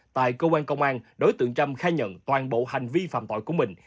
tại công an công an đối tượng trâm khai nhận toàn bộ hành vi phạm tội của mình